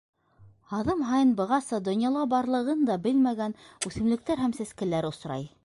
Аҙым һайын бығаса донъяла барлығын да белмәгән үҫемлектәр һәм сәскәләр осрай.